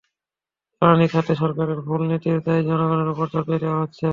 জ্বালানি খাতে সরকারের ভুল নীতির দায় জনগণের ওপর চাপিয়ে দেওয়া হচ্ছে।